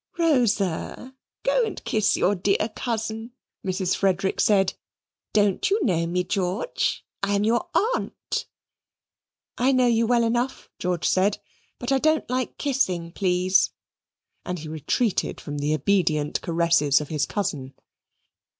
"Rosa, go and kiss your dear cousin," Mrs. Frederick said. "Don't you know me, George? I am your aunt." "I know you well enough," George said; "but I don't like kissing, please"; and he retreated from the obedient caresses of his cousin.